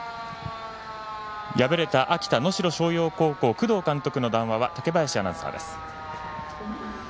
敗れた秋田・能代松陽高校工藤監督の談話は竹林アナウンサーです。